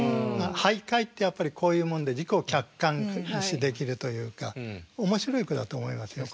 俳諧ってやっぱりこういうもので自己客観視できるというか面白い句だと思いますよ